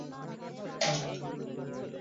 তাই আমি কখনো আমার ভালোবাসা ব্যক্ত করিনি।